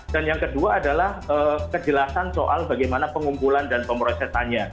dan yang kedua adalah kejelasan soal bagaimana pengumpulan dan pemrosesannya